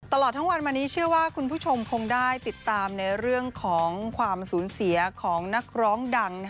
ตลอดทั้งวันมานี้เชื่อว่าคุณผู้ชมคงได้ติดตามในเรื่องของความสูญเสียของนักร้องดัง